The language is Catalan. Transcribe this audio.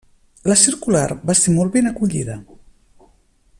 La circular va ser molt ben acollida.